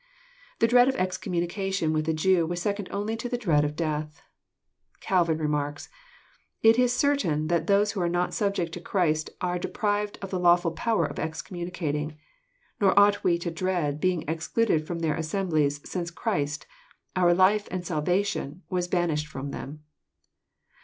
The dread of excommunication with a Jew was second only to the dread of death. Calvin remarks :It is certain that those who are not subject to Christ are deprived of the lawful power of excommunicating. Nor ought we to dread being excluded ftom their assemblies, since Christ, our Life and Salvation, was banished from them."